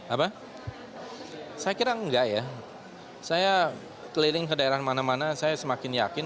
apa saya kira enggak ya saya keliling ke daerah mana mana saya semakin yakin